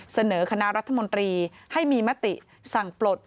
เสนอคณะรัฐมนตรีให้มีมติสั่งปลด